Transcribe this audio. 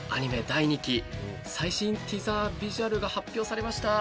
第２期最新ティザービジュアルが発表されました。